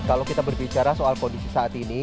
kalau kita berbicara soal kondisi saat ini